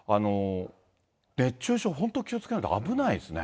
熱中症、本当に気をつけないと危ないですね。